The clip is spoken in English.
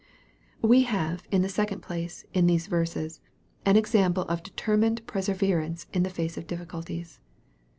We have, in the second place, in these verses, an ea> ample of determined perseverance in the face of difficulties.